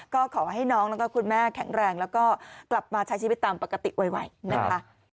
ก็ขอให้น้องแล้วก็คุณแม่แข็งแรงแล้วก็กลับมาใช้ชีวิตตามปกติไวนะคะ